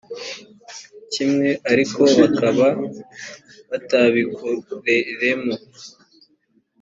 kimwe ariko bakaba batabikoreremo